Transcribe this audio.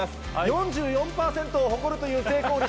４４％を誇るという成功率。